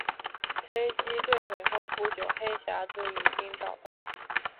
飞机坠毁后不久黑匣子已经找到。